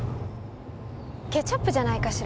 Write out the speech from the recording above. ケチャップじゃないかしら？